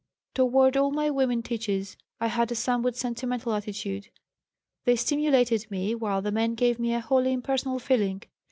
Toward all my women teachers I had a somewhat sentimental attitude. They stimulated me, while the men gave me a wholly impersonal feeling.